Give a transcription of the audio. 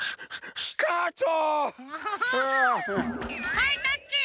はいタッチ。